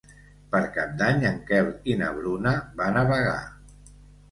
Per Cap d'Any en Quel i na Bruna van a Bagà.